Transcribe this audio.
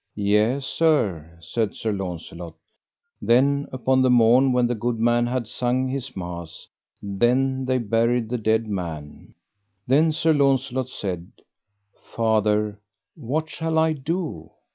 Yea, sir, said Sir Launcelot. Then upon the morn when the good man had sung his mass, then they buried the dead man. Then Sir Launcelot said: Father, what shall I do?